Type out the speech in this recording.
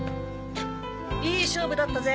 いい勝負だったぜ。